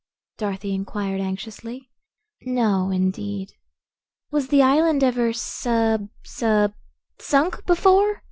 Dorothy inquired anxiously. "No, indeed." "Was the island ever sub sub sunk before?"